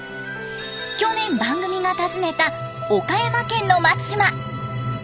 去年番組が訪ねた岡山県の松島。